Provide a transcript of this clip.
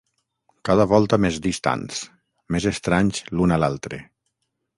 Cada volta més distants, més estranys l'un a l'altre...